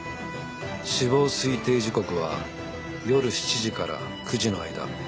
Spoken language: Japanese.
死亡推定時刻は夜７時から９時の間。